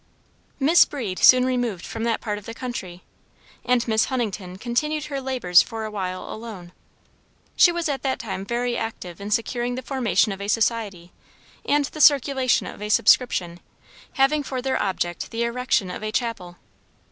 Miss Breed soon removed from that part of the country, and Miss Huntington continued her labors for awhile alone. She was at that time very active in securing the formation of a society and the circulation of a subscription, having for their object the erection of a chapel.